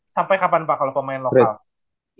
sampai kapan pak kalau pemain lokal